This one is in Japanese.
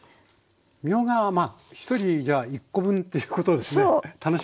みょうがは１人じゃあ１コ分っていうことですね。